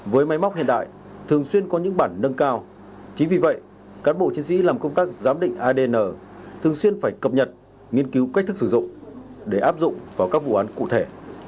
với máy móc hiện đại thường xuyên có những bản nâng cao chính vì vậy cán bộ chiến sĩ làm công tác giám định adn thường xuyên phải cập nhật nghiên cứu cách thức sử dụng để áp dụng vào các vụ án cụ thể